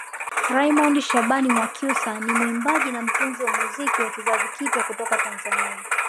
Raymond Shaban Mwakyusa ni mwimbaji na mtunzi wa muziki wa kizazi kipya kutoka Tanzania